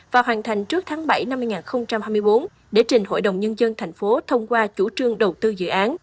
và hoàn thành trước tháng bảy năm hai nghìn hai mươi bốn để trình hội đồng nhân dân thành phố thông qua chủ trương đầu tư dự án